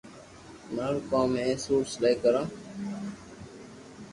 مارو ڪوم ھي سوٽ سلائي ڪرو